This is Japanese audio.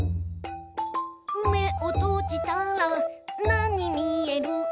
「めをとじたらなにみえる？」